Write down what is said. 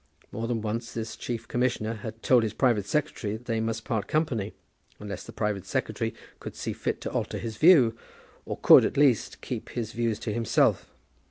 More than once this chief commissioner had told his private secretary that they must part company, unless the private secretary could see fit to alter his view, or could, at least, keep his views to himself.